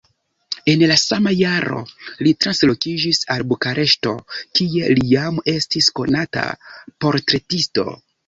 En la sama jaro li translokiĝis al Bukareŝto, kie li jam estis konata portretisto.